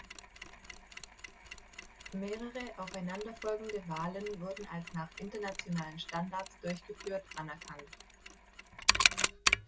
Mehrere aufeinanderfolgende Wahlen wurden als nach internationalen Standards durchgeführt anerkannt.